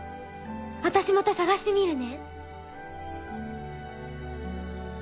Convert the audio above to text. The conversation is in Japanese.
私またさがしてみるね。